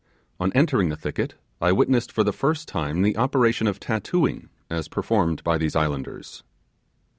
On entering the thicket I witnessed for the first time the operation of tattooing as performed by these islanders.